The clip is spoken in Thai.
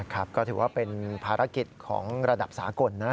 ครับก็ถือว่าเป็นภารกิจของระดับสากลนะ